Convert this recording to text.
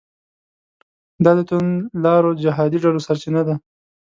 دا د توندلارو جهادي ډلو سرچینه ده.